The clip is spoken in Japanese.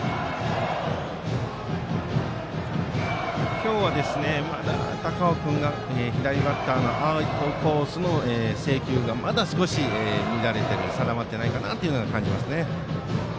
今日は高尾君が左バッターのアウトコースの制球がまだ少し乱れいる定まっていない感じがします。